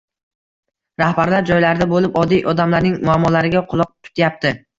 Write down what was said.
Rahbarlar joylarda bo‘lib, oddiy odamlarning muammolariga quloq tutyapti